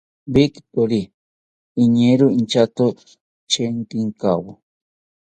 Victori iñeero inchato chekinkawo